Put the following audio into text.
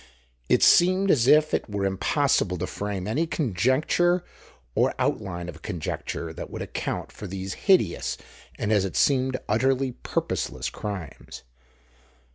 It seemed as if it were impossible to frame any conjecture or outline of a conjecture that would account for these hideous and, as it seemed, utterly purposeless crimes.